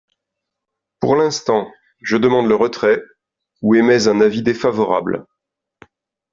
Pour l’instant, je demande le retrait ou émets un avis défavorable.